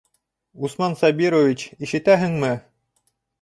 Усман Сабирович, ишетәһеңме?